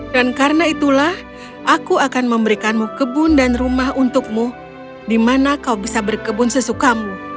dan karena itulah aku akan memberikanmu kebun dan rumah untukmu di mana kau bisa berkebun sesukamu